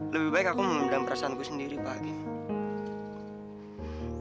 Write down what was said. lebih baik aku membedam perasaanku sendiri pak kim